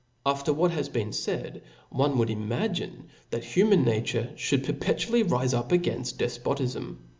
After what has been faid, one would imagine that human nature (hould perpetually rife up againft def» • patifm.